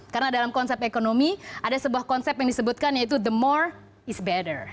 karena dalam konsep ekonomi ada sebuah konsep yang disebutkan yaitu the more is better